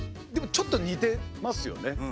でもちょっと似てますよね。